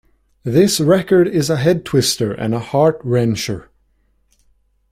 This record is a head-twister and heart-wrencher.